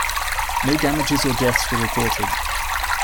No damages or deaths were reported.